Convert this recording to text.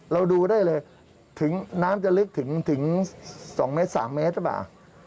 เราดูได้เลยถึงน้ำจะลึกถึง๒เมตร๓เมตรหรือเปล่า